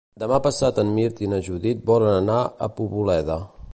Demà passat en Mirt i na Judit volen anar a Poboleda.